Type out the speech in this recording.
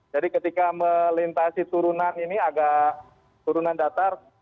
jadi ketika melintasi turunan ini agak turunan datar